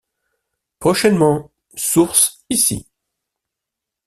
Prochainement, source ici.